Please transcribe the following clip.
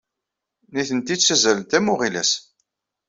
Nitenti ttazzalent am uɣilas.